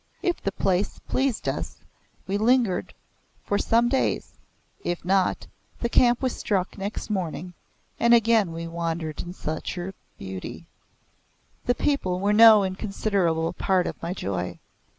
If the place pleased us we lingered for some days; if not, the camp was struck next morning, and again we wandered in search of beauty. The people were no inconsiderable part of my joy.